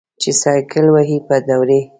چې سایکل وهې په دوړې.